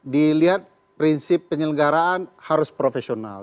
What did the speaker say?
dilihat prinsip penyelenggaraan harus profesional